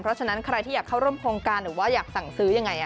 เพราะฉะนั้นใครที่อยากเข้าร่วมโครงการหรือว่าอยากสั่งซื้อยังไง